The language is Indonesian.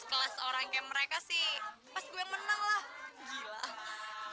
kelas orang yang mereka sih pas gue menanglah